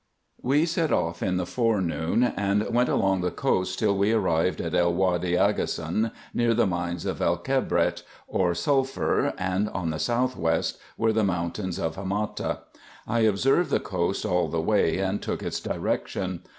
We set off in the forenoon, and went along the coast till we arrived at El Whady Abghsoon, near the mines of El Kebrite, or sulphur, and on the south west were the mountains of Hamata. I observed the coast all the way, and took its direction.